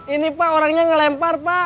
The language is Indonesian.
ini pak orangnya ngelempar pak